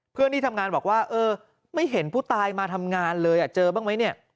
เพื่อนที่ทำงานบอกว่าเออไม่เห็นผู้ตายมาทำงานเลยเจอบ้างไหมเนี่ย